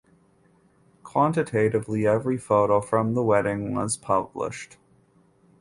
Quantitatively every photo from the wedding was published.